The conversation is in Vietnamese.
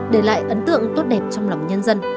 để lại ấn tượng tốt đẹp trong lòng nhân dân